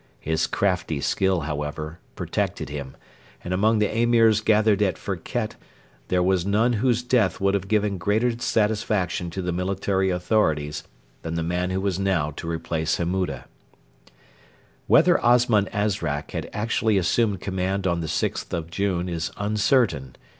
His crafty skill, however, protected him, and among the Emirs gathered at Firket there was none whose death would have given greater satisfaction to the military authorities than the man who was now to replace Hammuda. Whether Osman Azrak had actually assumed command on the 6th of June is uncertain.